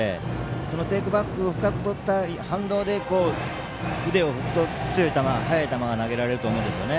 そのテクバックを深くとった反動で腕を振ると、強い球、速い球が投げられると思うんですよね。